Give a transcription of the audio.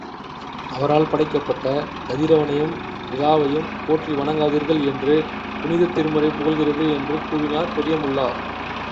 அவரால் படைக்கப்பட்ட கதிரவனையும் நிலாவையும் போற்றி வணங்காதீர்கள் என்று புனிதத் திருமறை புகல்கிறது என்று கூவினார் பெரியமுல்லா.